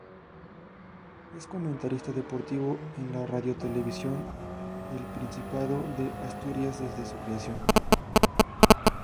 Es comentarista deportivo en la Radiotelevisión del Principado de Asturias desde su creación.